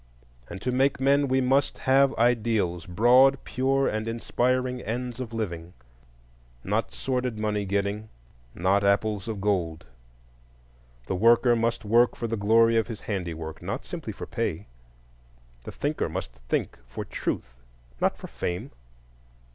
And to make men, we must have ideals, broad, pure, and inspiring ends of living,—not sordid money getting, not apples of gold. The worker must work for the glory of his handiwork, not simply for pay; the thinker must think for truth, not for fame.